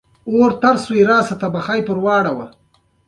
د دې ميتود مهم نقاط: